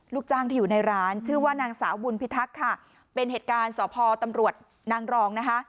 ลูกจ้างที่อยู่ในร้านชื่อว่านางสาวบุญพิทักษ์ค่ะเป็นเหตุการณ์สพตำรวจนางรองนะคะ